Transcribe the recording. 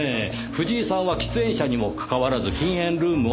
藤井さんは喫煙者にもかかわらず禁煙ルームを取っていました。